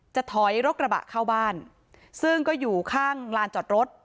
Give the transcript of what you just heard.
จะถอยรถกระบะเข้าบ้านซึ่งก็อยู่ข้างลานจอดรถ